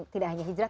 tidak hanya hijrah